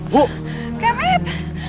bu itu kemet